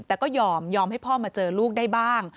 แต่ก็ยอมยอมให้พ่อมาเจอลูกได้บ้าง